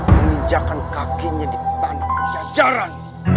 meninjakan kakinya di tanah jajaran